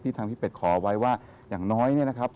ที่ทางพี่เป็ดขอไว้ว่าอย่างน้อยนะครับ